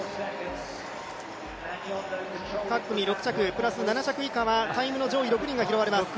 各組６着プラス７着以下はタイムの上位６人が拾われます。